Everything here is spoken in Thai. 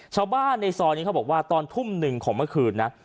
ชาวบ้านในซอยนี้เขาบอกว่าตอนทุ่มหนึ่งของเมื่อคืนนะ